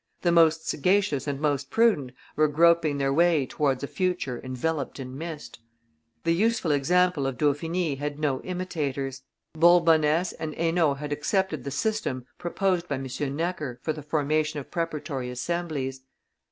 The most sagacious and most prudent were groping their way towards a future enveloped in mist. The useful example of Dauphiny had no imitators. Bourbonness and Hainault had accepted the system proposed by M. Necker for the formation of preparatory assemblies.